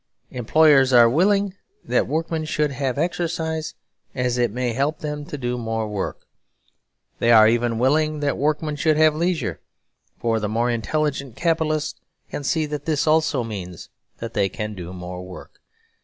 Employers are willing that workmen should have exercise, as it may help them to do more work. They are even willing that workmen should have leisure; for the more intelligent capitalists can see that this also really means that they can do more work.